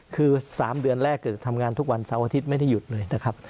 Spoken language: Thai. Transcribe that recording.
คือ๓เดือนแรกเกิดทำงานทุกวันเสาร์อาทิตย์ไม่ได้หยุดเลยนะครับ